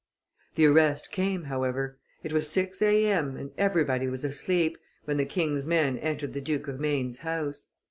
The arrest came, however; it was six A.M., and everybody was asleep, when the king's men entered the Duke of Maine's house.